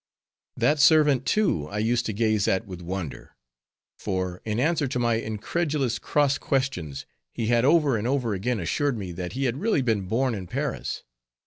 That servant, too, I used to gaze at with wonder; for in answer to my incredulous cross questions, he had over and over again assured me, that he had really been born in Paris.